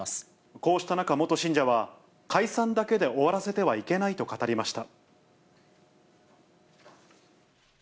こうした中、元信者は解散だけで終わらせてはいけないと語りました。